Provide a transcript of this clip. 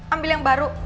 ambil yang baru